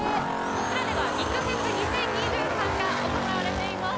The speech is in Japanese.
こちらでは、肉フェス２０２３が行われています。